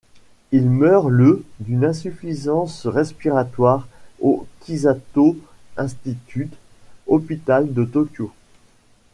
Il meurt le d'une insuffisance respiratoire au Kisato Institute Hospital de Tokyo.